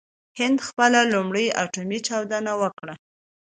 هند خپله لومړۍ اټومي چاودنه وکړه.